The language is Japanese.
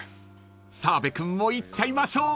［澤部君もいっちゃいましょう］